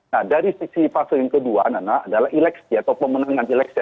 nah dari sisi fase yang kedua nana adalah eleksi atau pemenangan eleksi